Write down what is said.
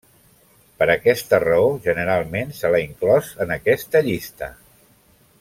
Per aquesta raó, generalment se l'ha inclòs en aquesta llista.